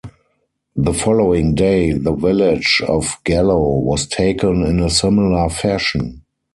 The following day the village of Gallo was taken in a similar fashion.